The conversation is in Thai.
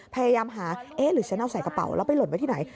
พยายามหาเอ๊ะหรือฉันเอาใส่กระเป๋าแล้วไปหล่นไว้ที่ไหน